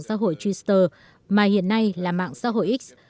tổng thống xã hội twitter mà hiện nay là mạng xã hội x